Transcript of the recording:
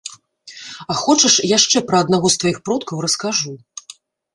А хочаш яшчэ пра аднаго з тваіх продкаў раскажу?